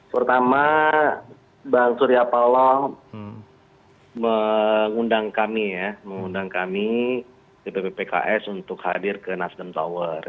pertama bang surya paloh mengundang kami ya mengundang kami dpp pks untuk hadir ke nasdem tower